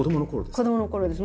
子どものころです。